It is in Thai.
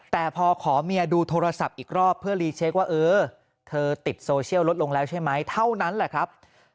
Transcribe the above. แต่พอขอเมียดูโทรศัพท์อีกรอบเพื่อรีเช็คว่าเออเธอติดโซเชียลลดลงแล้วใช่ไหมเท่านั้นแหละครับ